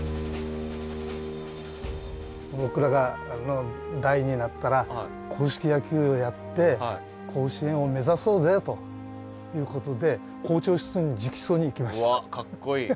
僕らの代になったら硬式野球をやって甲子園を目指そうぜということでうわっかっこいい。